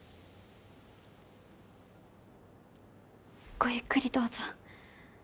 ごゆっくりどうぞ。